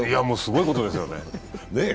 もうすごいことですよね。